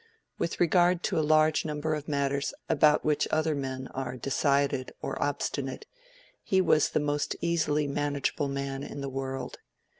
With regard to a large number of matters about which other men are decided or obstinate, he was the most easily manageable man in the world.